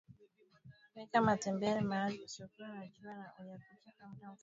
weka matembele mahali pasipokuwa na jua na uyapike kwa muda mfupi